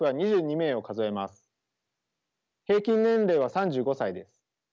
平均年齢は３５歳です。